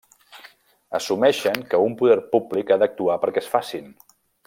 Assumeixen que un poder públic ha d'actuar perquè es facen.